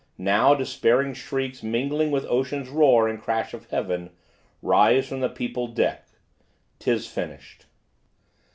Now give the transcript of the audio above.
Now despairing shrieks Mingling with ocean's roar and crash of heaven, Rise from the peopled deck: 'tis finished!